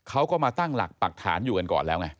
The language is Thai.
เขาก็มาตั้งหลักปรักฐานอยู่กันก่อนแล้วไง